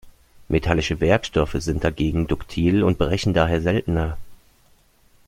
Metallische Werkstoffe sind dagegen duktil und brechen daher seltener.